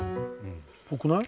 ぽくない？